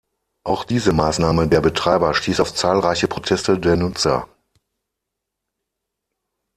Auch diese Maßnahme der Betreiber stieß auf zahlreiche Proteste der Nutzer.